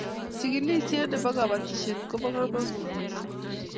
chikilishiet nebo kabatishiet kobo kamagut mising